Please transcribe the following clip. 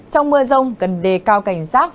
trong mưa rông cần đề cao cảnh giác